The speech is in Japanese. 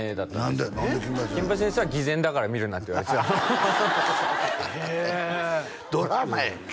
何で「金八先生」「金八先生」は偽善だから見るなって言われてたへえドラマやんけ